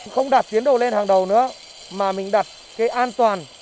không đạt tiến độ lên hàng đầu nữa mà mình đặt cái an toàn